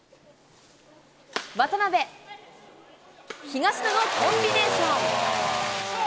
渡辺、東野のコンビネーション。